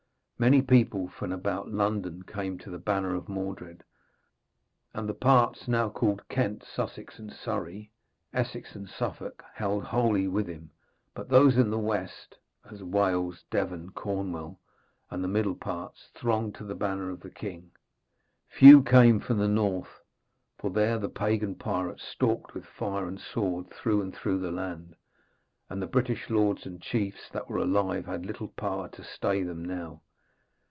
Many people from about London came to the banner of Mordred, and the parts now called Kent, Sussex and Surrey, Essex and Suffolk held wholly with him; but those in the west, as Wales, Devon, Cornwall and the middle parts, thronged to the banner of the king. Few came from the north, for there the pagan pirates stalked with fire and sword through and through the land, and the British lords and chiefs that were alive had little power to stay them now.